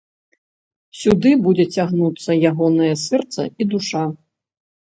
Сюды будзе цягнуцца ягонае сэрца і душа.